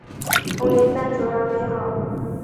童年单纯而美好